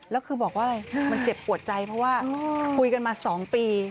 แล้วคือบอกว่าอะไรมันเจ็บปวดใจเพราะว่าคุยกันมา๒ปี